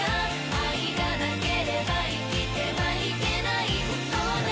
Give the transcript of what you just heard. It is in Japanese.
「愛がなければ生きてはいけない」